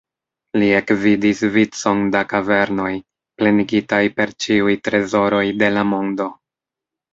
Li ekvidis vicon da kavernoj, plenigitaj per ĉiuj trezoroj de la mondo.